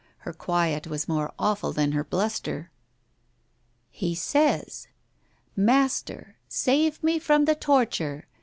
Her quiet was more awful than her bluster. " He says, ' Master, save me from the torture.